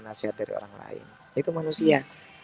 nasihat dari orang lain itu manusia